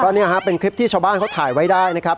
นี่ฮะเป็นคลิปที่ชาวบ้านเขาถ่ายไว้ได้นะครับ